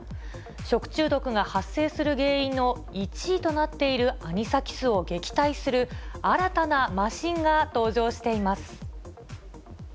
食中毒が発生する原因の１位となっているアニサキスを撃退する新たなマシンが登場しています。